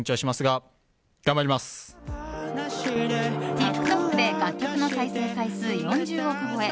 ＴｉｋＴｏｋで楽曲の再生回数４０億超え。